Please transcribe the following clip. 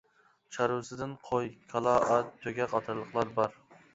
چارۋىسىدىن قوي، كالا، ئات، تۆگە قاتارلىقلار بار.